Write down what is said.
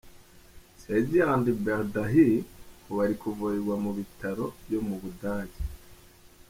Sergeant Bergdahl ubu ari kuvurirwa mu bitaro byo mu Budage.